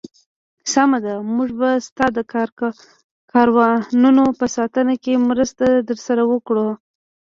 سمه ده، موږ به ستا د کاروانونو په ساتنه کې مرسته درسره وکړو.